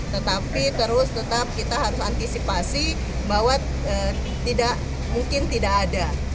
tetapi terus tetap kita harus antisipasi bahwa mungkin tidak ada